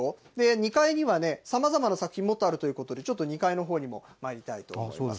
２階にはさまざまな作品、もっとあるということでちょっと２階のほうにもまいりたいと思います。